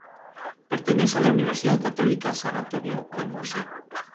Ambos casos son extremos.